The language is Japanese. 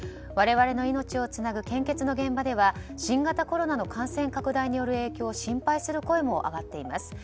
我々の命をつなぐ献血の現場では新型コロナの感染拡大による影響を心配する声も上がっています。